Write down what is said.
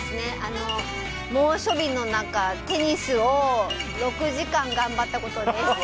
猛暑日の中、テニスを６時間頑張ったことです。